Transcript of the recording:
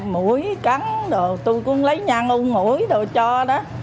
mũi cắn tôi cũng lấy nhăn u mũi đồ cho đó